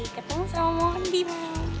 ketemu sama mody ma